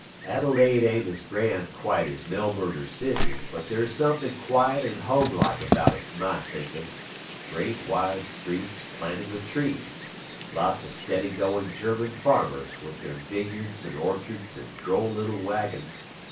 Adelaide ain't as grand quite as Melbourne or Sydney, but there's something quiet and homelike about it to my thinking great wide streets, planted with trees; lots of steady going German farmers, with their vineyards and orchards and droll little waggons.